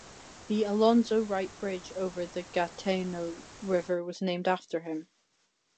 The Alonzo-Wright Bridge over the Gatineau River was named after him.